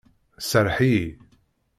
Serreḥ-iyi!